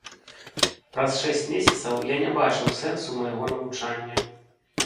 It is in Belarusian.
Праз шэсць месяцаў я не бачыў сэнсу майго навучання.